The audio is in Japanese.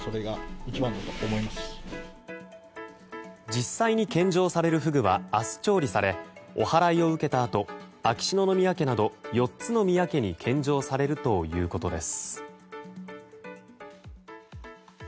実際に献上されるフグは明日調理されおはらいを受けたあと秋篠宮家など４つの宮家に献上されるということです。